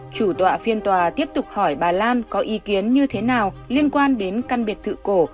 chủ tọa phiên tòa tiếp tục hỏi bà lan có ý kiến như thế nào liên quan đến căn biệt thự cổ